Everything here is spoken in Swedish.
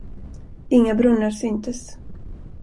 Inga brunnar syntes.